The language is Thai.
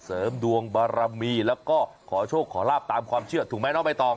เสริมดวงบารมีแล้วก็ขอโชคขอลาบตามความเชื่อถูกไหมน้องใบตอง